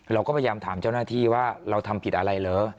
เราก็พยายามถามเจ้าหน้าที่ว่าเราทำผิดอะไรเหรอ